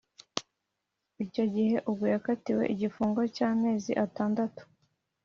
Icyo gihe bwo yakatiwe igifungo cy amezi atandatu